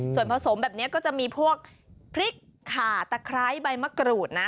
ส่วนผสมแบบนี้ก็จะมีพวกพริกขาตะไคร้ใบมะกรูดนะ